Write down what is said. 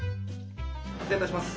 失礼いたします。